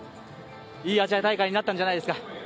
いいアジア大会になったんじゃないですか。